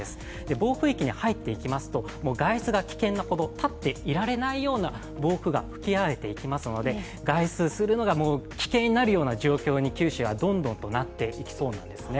暴風域に入っていきますと、もう外出が危険なほど立っていられないような暴風が吹き荒れていきますので、外出するのが危険になるような状況に九州はどんどんとなっていきそうなんですね。